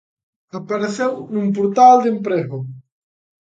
Apareceu nun portal de emprego.